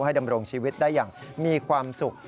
ดำรงชีวิตได้อย่างมีความสุข